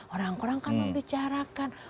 orang orang akan membicarakan